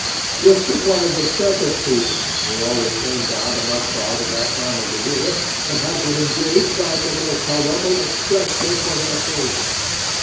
This was one of the Circus people, who always came down to Mudfog at that time of the year, and who had been engaged by Nicholas Tulrumble expressly for the occasion.